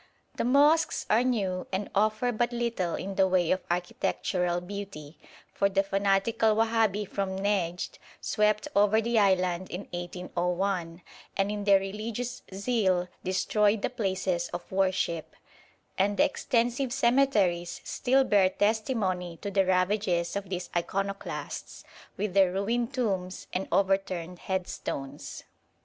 The mosques are new, and offer but little in the way of architectural beauty, for the fanatical Wahhabi from Nejd swept over the island in 1801, and in their religious zeal destroyed the places of worship; and the extensive cemeteries still bear testimony to the ravages of these iconoclasts, with their ruined tombs and overturned headstones.